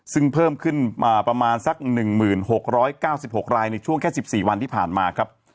ซึ่งเพิ่มขึ้นมาประมาณสัก๑๖๙๖รายในช่วงแค่๑๔วันที่ผ่านมาครับ